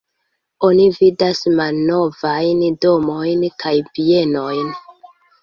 Oni vidas malnovajn domojn kaj bienojn.